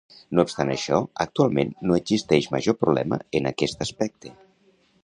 No obstant això, actualment no existeix major problema en aquest aspecte.